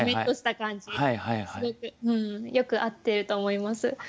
すごくよく合っていると思います。